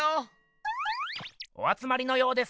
おあつまりのようです。